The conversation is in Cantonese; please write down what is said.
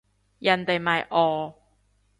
人哋咪哦